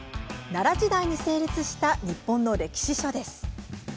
奈良時代に成立した日本の歴史書です。